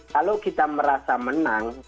kalau kita merasa menang